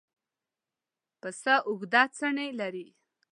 پسه اوږده څڼې لري.